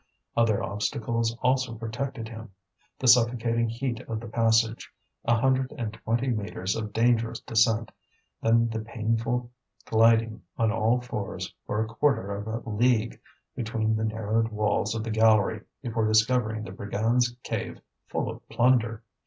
Other obstacles also protected him, the suffocating heat of the passage, a hundred and twenty metres of dangerous descent, then the painful gliding on all fours for a quarter of a league between the narrowed walls of the gallery before discovering the brigand's cave full of plunder.